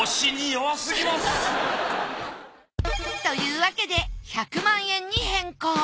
というわけで１００万円に変更